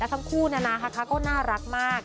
และทั้งคู่นานาค่ะก็น่ารักมาก